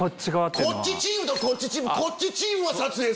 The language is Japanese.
こっちチームとこっちチームこっちチームを撮影する。